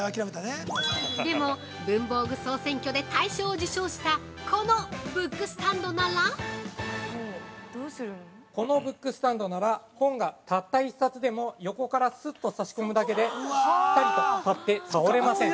でも文房具総選挙で大賞を受賞したこのブックスタンドなら◆このブックスタンドなら本がたった１冊でも横からすっと差し込むだけでぴたりと立って倒れません。